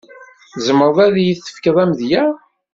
Tzemreḍ ad yi-d-tefkeḍ amedya?